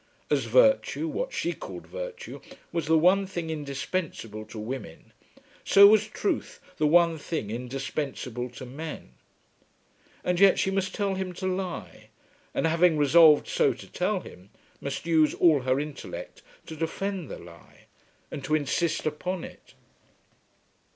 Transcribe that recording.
As virtue, what she called virtue, was the one thing indispensable to women, so was truth the one thing indispensable to men. And yet she must tell him to lie, and having resolved so to tell him, must use all her intellect to defend the lie, and to insist upon it.